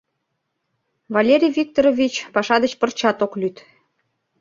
Валерий Викторович паша деч пырчат ок лӱд.